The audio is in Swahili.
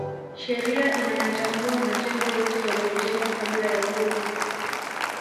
sheria inayatambua majengo yote yaliyojengwa kabla ya uhuru